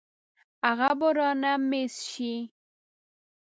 هغه به رانه مېس شي.